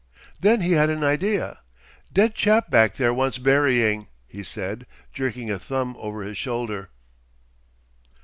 Then he had an idea. "Dead chap back there wants burying," he said, jerking a thumb over his shoulder.